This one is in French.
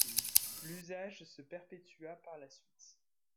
L'usage se perpétua par la suite.